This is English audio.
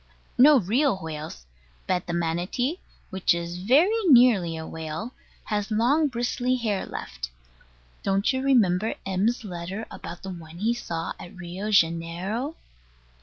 No real whales: but the Manati, which is very nearly a whale, has long bristly hair left. Don't you remember M.'s letter about the one he saw at Rio Janeiro?